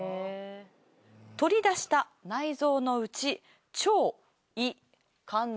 取り出した内臓のうち腸胃肝臓